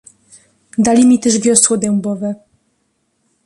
"Dali mi też wiosło dębowe..."